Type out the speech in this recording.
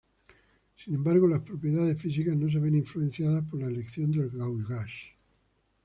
Sin embargo las propiedades físicas no se ven influenciadas por la elección del gauge.